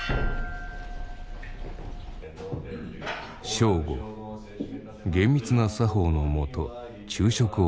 正午厳密な作法のもと昼食をとる。